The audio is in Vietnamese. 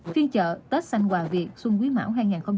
phiên chợ tết xanh hòa việt xuân quý mão hai nghìn hai mươi ba